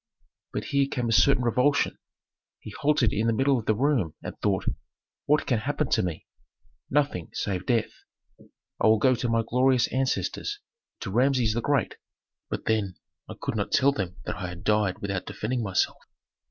But here came a certain revulsion. He halted in the middle of the room and thought, "What can happen to me? Nothing save death. I will go to my glorious ancestors, to Rameses the Great But then, I could not tell them that I died without defending myself.